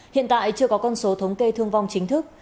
hiện tại chưa có con số thống kê thương vong chính thức